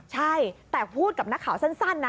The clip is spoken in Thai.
ใช่แต่พูดกับนักข่าวสั้นนะ